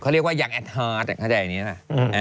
เขาเรียกว่ายังแอดฮาร์ทถ้าใจอันนี้แหละ